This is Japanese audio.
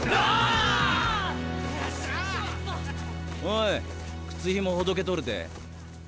おい靴ひもほどけとるで。